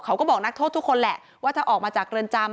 เขาก็บอกนักโทษทุกคนแหละว่าถ้าออกมาจากเรือนจำ